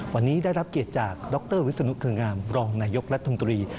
วันนี้ได้รับเกียรติจากดรวิศนุเครืองามรองนายกรัฐมนตรี